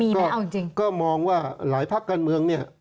มีไหมเอาจริงนะครับก็มองว่าหลายภักดิ์การเมืองนี่